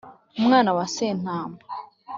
Umwana wa Sentama